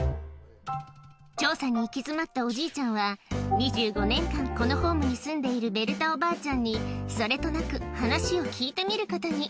調査に行き詰ったおじいちゃんは、２５年間、このホームに住んでいるベルタおばあちゃんに、それとなく話を聞いてみることに。